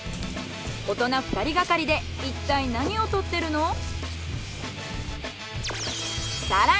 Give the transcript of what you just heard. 大人２人がかりでいったい何を採ってるの？